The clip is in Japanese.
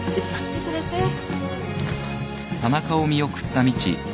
いってらっしゃい。